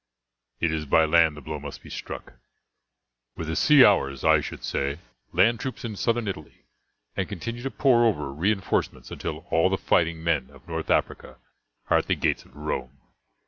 "It is by land the blow must be struck. Were the sea ours, I should say, land troops in southern Italy, and continue to pour over reinforcements until all the fighting men of North Africa are at the gates of Rome.